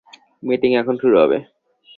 Meeting এখন শুরু হবে।